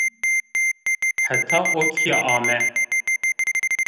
Heta o kî ame